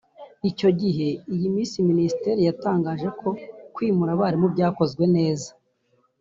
Icyo gihe iyi minsi Minisiteri yatangaje ko kwimura abarimu byakozwe neza